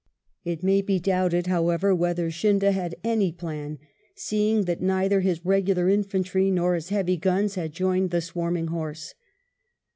It may be doubted, however, whether Scindia had any plan, seeing that neither his regular infantry nor his hea^y guns had joined the swarming horse.